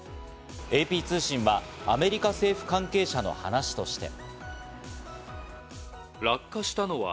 ＡＰ通信はアメリカ政府関係者の話として。